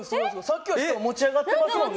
さっきより持ち上がってますもんね。